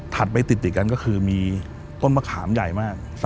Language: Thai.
ไปติดกันก็คือมีต้นมะขามใหญ่มาก